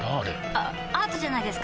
あアートじゃないですか？